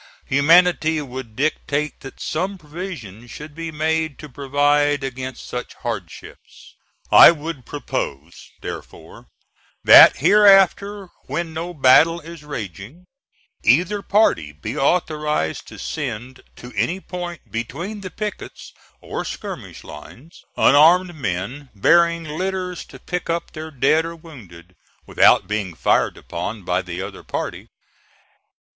Humanity would dictate that some provision should be made to provide against such hardships. I would propose, therefore, that hereafter, when no battle is raging, either party be authorized to send to any point between the pickets or skirmish lines, unarmed men bearing litters to pick up their dead or wounded, without being fired upon by the other party.